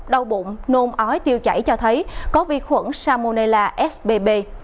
đau bụng nôn ói tiêu chảy cho thấy có vi khuẩn salmonella sbb